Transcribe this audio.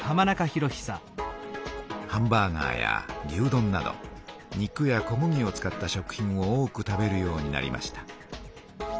ハンバーガーや牛どんなど肉や小麦を使った食品を多く食べるようになりました。